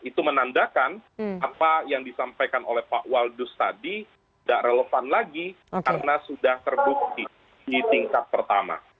itu menandakan apa yang disampaikan oleh pak waldus tadi tidak relevan lagi karena sudah terbukti di tingkat pertama